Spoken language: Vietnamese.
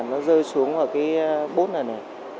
nó rơi xuống vào cái bốt này này